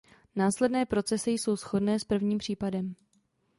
Následné procesy jsou shodné s prvním případem.